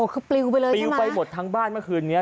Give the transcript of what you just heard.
คือปลิวไปเลยปลิวไปหมดทั้งบ้านเมื่อคืนนี้